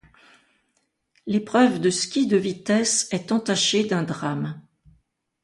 L'épreuve de ski de vitesse est entachée d'un drame.